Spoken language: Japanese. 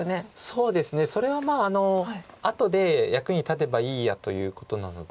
そうですねそれは後で役に立てばいいやということなので。